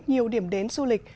nhiều điểm đến du lịch